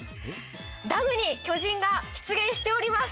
ダムに巨人が出現しております